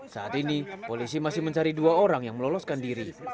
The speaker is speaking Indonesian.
saat ini polisi masih mencari dua orang yang meloloskan diri